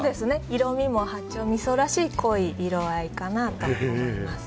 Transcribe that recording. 色味も八丁みそらしい濃い色合いかと思います。